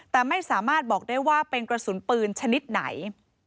แต่ไม่สามารถบอกได้ว่าเป็นกระสุนปืนชนิดไหน